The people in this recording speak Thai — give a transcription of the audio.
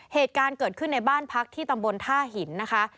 เหตุการณ์เกิดขึ้นในบ้านพักที่ตำบลท่าหินนะคะ